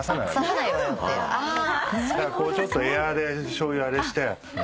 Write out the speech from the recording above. だからちょっとエアでしょうゆあれして。